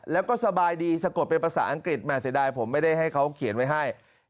แล้วก็สบายดีสะกดเป็นภาษาอังกฤษแม่เสียดายผมไม่ได้ให้เขาเขียนไว้ให้